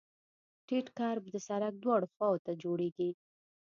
ټیټ کرب د سرک دواړو خواو ته جوړیږي